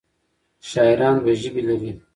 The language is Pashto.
شاعران دوه ژبې لري.